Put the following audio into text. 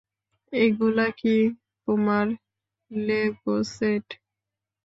এগুলা কি তোমার লেগো সেট?